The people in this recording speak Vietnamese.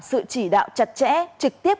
sự chỉ đạo chặt chẽ trực tiếp